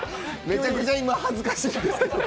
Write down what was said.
めちゃくちゃ今恥ずかしいです。